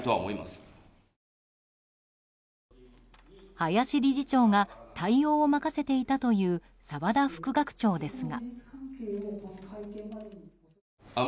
林理事長が対応を任せていたという澤田副学長ですが。